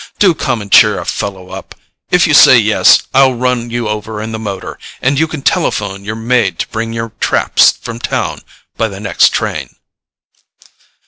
Do come and cheer a fellow up. If you say yes I'll run you over in the motor, and you can telephone your maid to bring your traps from town by the next train."